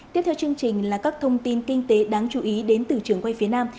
tiếp theo chương trình là các thông tin kinh tế đáng chú ý đến từ trường quay phía nam